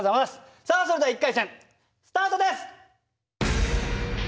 さあそれでは一回戦スタートです！